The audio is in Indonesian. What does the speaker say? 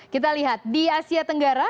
kita lihat di asia tenggara